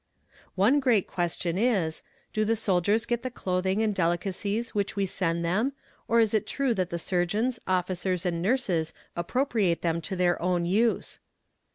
One great question is: "Do the soldiers get the clothing and delicacies which we send them or is it true that the surgeons, officers and nurses appropriate them to their own use?"